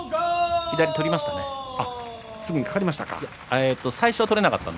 左を取りました。